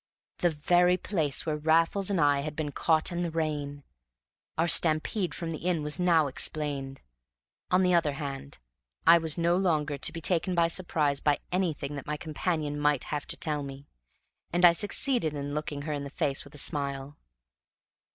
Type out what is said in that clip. The very place where Raffles and I had been caught in the rain! Our stampede from the inn was now explained; on the other hand, I was no longer to be taken by surprise by anything that my companion might have to tell me; and I succeeded in looking her in the face with a smile.